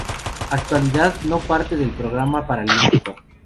Actualidad, no parte del programa Paralímpico.